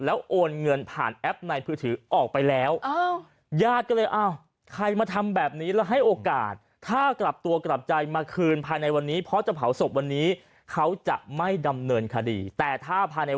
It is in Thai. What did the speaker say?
และโอนเงินผ่านแอปในพื้นถือออกไปแล้ว